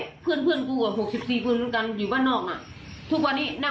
แบบไงวะ